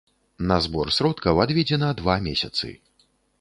На збор сродкаў адведзена два месяцы.